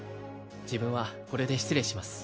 自分はこれで失礼します